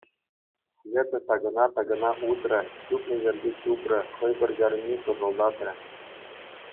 Света такӑна-такӑна утрӗ, чупнӑ ҫӗрте чупрӗ, хӑй пӗр чарӑнми пӑшӑлтатрӗ.